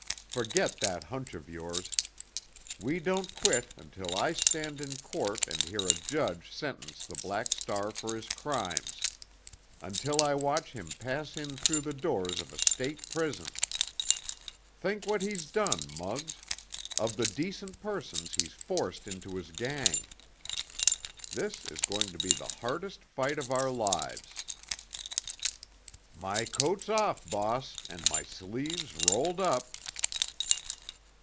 Forget that hunch of yours! We don't quit until I stand in court and hear a judge sentence the Black Star for his crimes, until I watch him pass in through the doors of a State prison. Think what he's done, Muggs—of the decent persons he's forced into his gang! This is going to be the hardest fight of our lives." "My coat's off, boss, and my sleeves rolled up!"